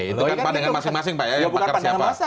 itu kan pandangan masing masing pak ya